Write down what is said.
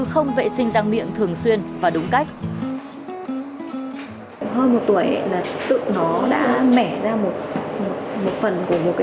không vệ sinh răng miệng thường xuyên và đúng cách hơn một tuổi là tự nó đã mẻ ra một phần của một